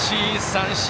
三振！